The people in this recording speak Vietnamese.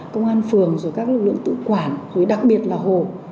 công an phường các lực lượng tự quản đặc biệt là hồ